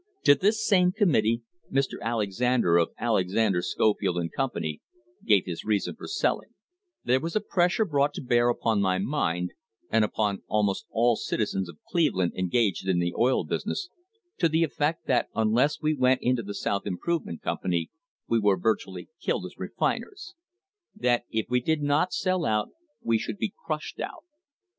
To this same committee Mr. Alexander, of Alexander, Sco field and Company, gave his reason for selling: "There was a pressure brought to bear upon my mind, and upon almost all citizens of Cleveland engaged in the oil business, to the effect that unless we went into the South Improvement Company we were virtually killed as refiners; that if we did not sell out we should be crushed out.